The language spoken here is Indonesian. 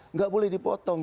nggak boleh dipotong